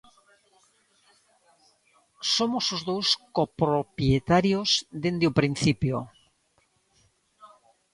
Somos os dous copropietarios dende o principio.